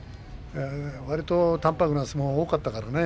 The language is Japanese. わりと淡泊な相撲が多かったからね